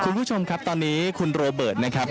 คุณผู้ชมครับตอนนี้คุณโรเบิร์ตนะครับ